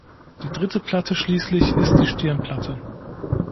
Die dritte Platte schließlich ist die Stirnplatte.